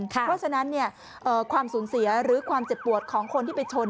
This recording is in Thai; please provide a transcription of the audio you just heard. เพราะฉะนั้นความสูญเสียหรือความเจ็บปวดของคนที่ไปชน